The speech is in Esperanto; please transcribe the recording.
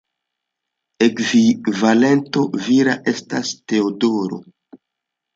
Ekvivalento vira estas Teodoro.